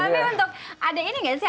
tapi untuk ada ini gak sih